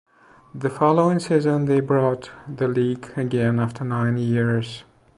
The following season they brought the league again after nine years.